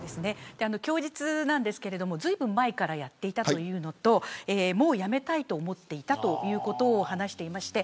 供述なんですがずいぶん前からやっていたということもうやめたいと思っていたということを話していました。